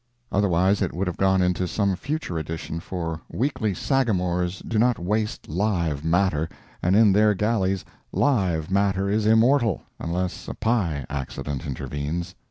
Otherwise it would have gone into some future edition, for weekly Sagamores do not waste "live" matter, and in their galleys "live" matter is immortal, unless a pi accident intervenes.